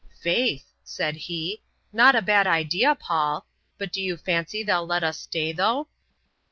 " Faith !" said he, " not a bad idea, Paul. But do you fancy they'll let us stay, though?